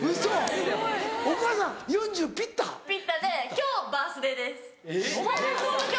今日バースデーです。